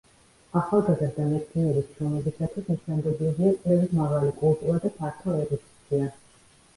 ახალგაზრდა მეცნიერის შრომებისათვის ნიშანდობლივია კვლევის მაღალი კულტურა და ფართო ერუდიცია.